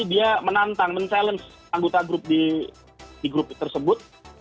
dia menantang men challenge anggota grup di grup tersebut